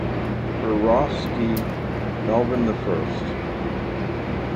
Urofsky, Melvin the First.